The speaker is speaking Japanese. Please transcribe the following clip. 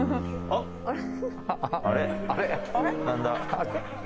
あれ？